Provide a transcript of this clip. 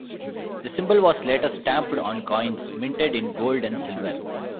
The symbol was later stamped on coins minted in gold and silver.